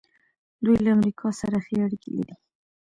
دوی له امریکا سره ښې اړیکې لري.